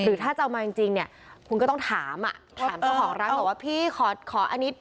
ถ้าจะเอามาจริงจริงเนี่ยคุณก็ต้องถามอ่ะถามเจ้าของร้านบอกว่าพี่ขอขออันนี้